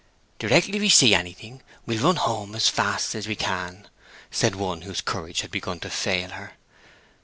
"Directly we see anything we'll run home as fast as we can," said one, whose courage had begun to fail her.